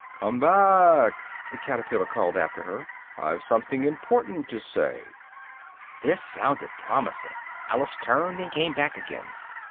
"Come back!" the caterpillar called after her, "I've something important to say!" This sounded promising: Alice turned and came back again.